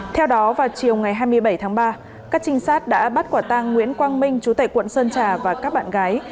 theo đó vào chiều ngày hai mươi bảy tháng ba các trinh sát đã bắt quả tang nguyễn quang minh chú tệ quận sơn trà và các bạn gái